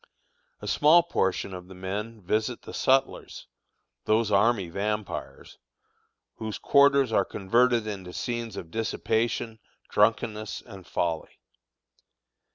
A small portion of the men visit the sutlers, those army vampires, whose quarters are converted into scenes of dissipation, drunkenness, and folly.